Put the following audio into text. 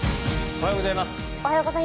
おはようございます。